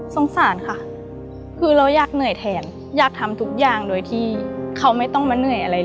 สงสารค่ะคือเราอยากเหนื่อยแทนอยากทำทุกอย่างโดยที่เขาไม่ต้องมาเหนื่อยอะไรเลย